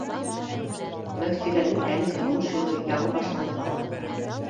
Мәүсиләнең әле тормош юлы яңы башланырға ғына тора